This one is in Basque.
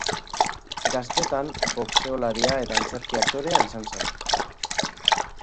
Gaztetan, boxeolaria eta antzerki-aktorea izan zen.